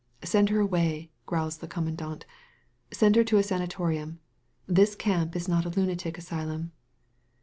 "Send her away," growls the commandant ; ''send her to a sanatorium! This camp is not a lunatic asylum."